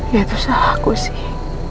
ya itu salah aku sih